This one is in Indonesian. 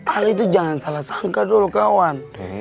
ali tuh jangan salah sangka dulu kawan